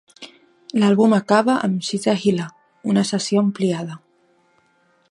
L'àlbum acaba amb "She's a Healer", una sessió ampliada.